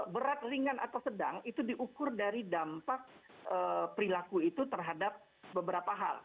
berat ringan atau sedang itu diukur dari dampak perilaku itu terhadap beberapa hal